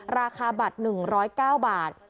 ราคาบัตร๑๐๙บาท